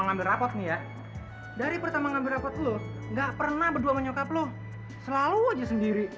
ngambil rapat ya dari pertama ngambil rapat lo nggak pernah berdua nyokap lo selalu aja sendiri